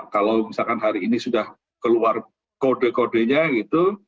kalau misalkan hari ini sudah keluar kode kodenya gitu